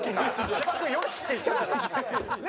芝君「よし」って言っちゃったからね。